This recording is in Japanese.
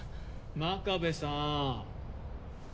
真壁さん。